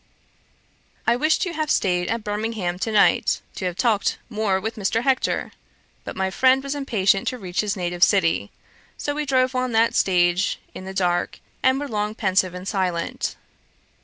I wished to have staid at Birmingham to night, to have talked more with Mr. Hector; but my friend was impatient to reach his native city; so we drove on that stage in the dark, and were long pensive and silent.